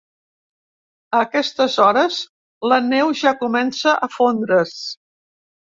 A aquestes hores la neu ja comença a fondre’s.